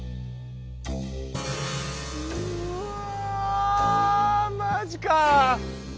うわマジかあ。